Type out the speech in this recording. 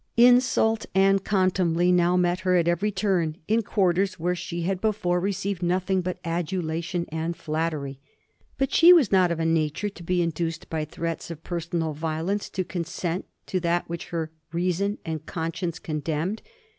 Insult and contumely now met her at every turn, in quarters where she had before received nothing but adulation and flattery. But she was not of a nature to be induced by threats of personal violence to consent to that which her reason and conscience condemned.